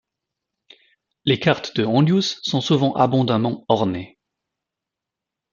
Les cartes de Hondius sont souvent abondamment ornées.